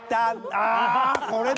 あこれだ！